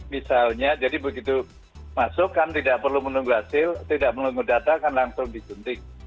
misalnya jadi begitu masuk kan tidak perlu menunggu hasil tidak menunggu data kan langsung disuntik